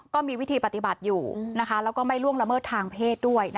ก็มีวิธีปฏิบัติอยู่แล้วก็ไม่ล่วงละเมิดทางเพศด้วย